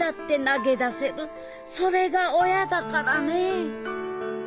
それが親だからね。